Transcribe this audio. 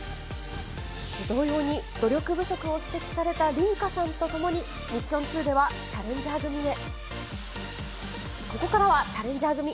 同様に努力不足を指摘されたリンカさんと共に、ミッション２ではチャレンジャー組へ。